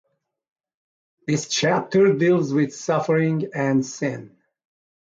This chapter deals with suffering and sin.